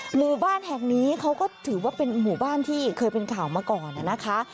หมู่บ้านแห่งนี้เขาก็ถือว่าเป็นหมู่บ้านที่เคยเป็นข่าวมาก่อนนะคะ